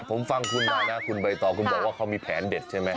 ผมฟังคุณมานะคุณใบตองคุณบอกว่าเขามีแผนเด็ดใช่ไหม